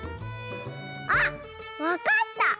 あっわかった！